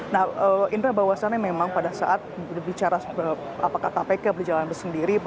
nah indra bahwasannya memang pada saat bicara apakah kpk berjalan sendiri